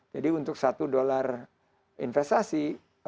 jadi untuk satu dollar investasi